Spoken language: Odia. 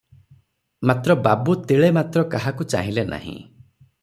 ମାତ୍ର ବାବୁ ତିଳେ ମାତ୍ର କାହାକୁ ଚାହିଁଲେ ନାହିଁ ।